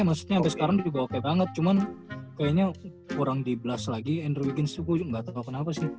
maksudnya abis sekarang juga oke banget cuman kayaknya kurang di belas lagi andrew wiggins tuh gua juga gak tau kenapa sih